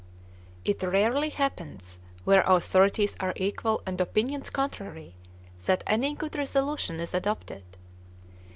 It rarely happens, where authorities are equal and opinions contrary, that any good resolution is adopted.